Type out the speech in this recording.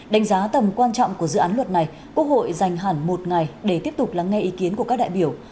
đánh giá tầm quan trọng của dự án luật này quốc hội dành hẳn một ngày để tiếp tục lắng nghe ý kiến của các đại biểu